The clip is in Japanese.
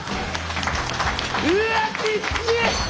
うわっきっちい！